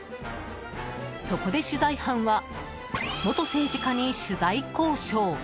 そこで取材班は元政治家に取材交渉。